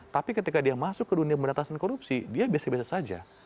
tapi ketika dia masuk ke dunia penetasan korupsi dia biasa biasa saja